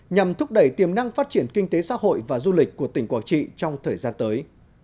nhằm thúc đẩy tiềm năng phát triển kinh tế xã hội và du lịch của tỉnh quảng trị trong thời gian tới